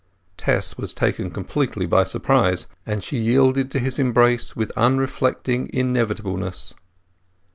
Tess was taken completely by surprise, and she yielded to his embrace with unreflecting inevitableness.